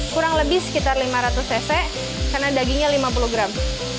kurang lebih sekitar lima ratus cc karena dagingnya lima puluh gram